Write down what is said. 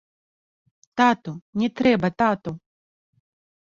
Тату, не трэба, тату.